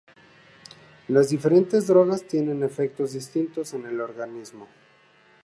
Las diferentes drogas tienen efectos distintos en el organismo.